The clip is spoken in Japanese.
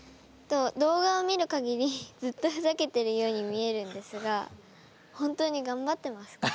動画を見るかぎりずっとふざけてるように見えるんですが本当にがんばってますか？